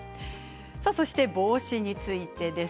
そして帽子についてです。